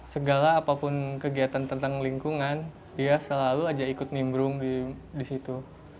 segala apapun kegiatan tentang lingkungan dia selalu aja ikut nimbrung di situ